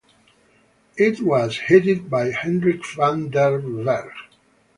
It was headed by Hendrik van den Bergh.